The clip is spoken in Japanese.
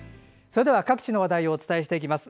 それでは各地の話題をお伝えしていきます。